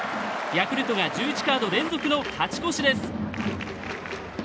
ヤクルトが１１カード連続の勝ち越しです。